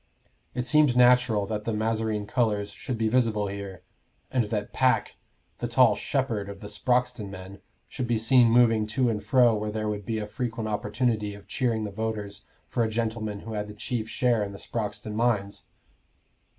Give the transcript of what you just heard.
It seemed natural that the mazarine colors should be visible here, and that Pack, the tall "shepherd" of the Sproxton men, should be seen moving to and fro where there would be a frequent opportunity of cheering the voters for a gentleman who had the chief share in the Sproxton mines.